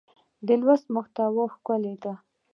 د لوست محتوا ښکلې ده.